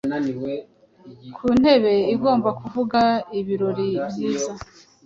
Ku ntebeigomba kuvuga ibirori byiza-